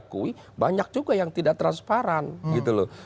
tapi kalau diakui banyak juga yang tidak transparan gitu loh